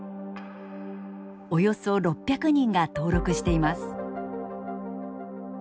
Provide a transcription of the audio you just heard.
およそ６００人が登録しています。